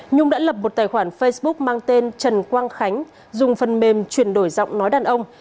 nhung đã lập một tài khoản facebook mang tên trần quang khánh dùng phần mềm chuyển đổi giọng nói đàn ông